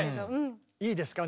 いいですか？